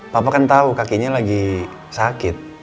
papa kan tahu kakinya lagi sakit